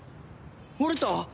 折れた！？